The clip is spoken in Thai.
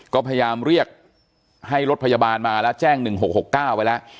ก็พยายามเรียกให้รถพยาบาลมาแล้วแจ้ง๑๖๖๙ไว้แล้ว